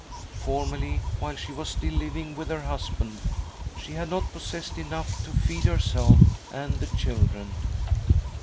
Formerly, while she was still living with her husband, she had not possessed enough to feed herself and the children.